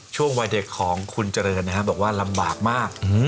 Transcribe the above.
ช่วงวัยเด็กของคุณเจริญบอกว่าลำบากมาก